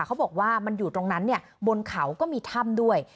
เขาบอกว่ามันอยู่ตรงนั้นเนี่ยบนเขาก็มีถ้ำด้วย